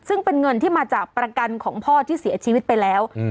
ซึ่งเป็นเงินที่มาจากประกันของพ่อที่เสียชีวิตไปแล้ว